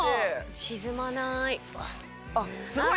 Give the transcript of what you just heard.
沈まない。